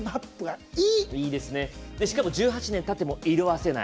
しかも１８年たっても色あせない。